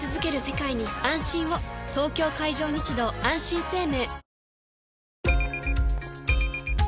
東京海上日動あんしん生命